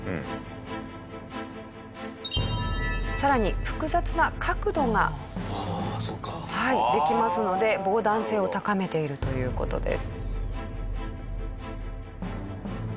さらに複雑な角度ができますので防弾性を高めているという事です。